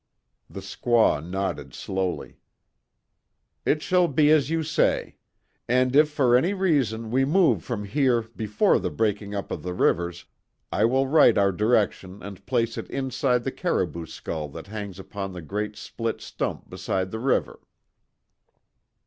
The squaw nodded slowly: "It shall be as you say. And, if for any reason, we move from here before the breaking up of the rivers, I will write our direction and place it inside the caribou skull that hangs upon the great split stump beside the river."